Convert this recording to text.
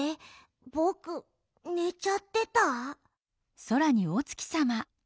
ぼくねちゃってた？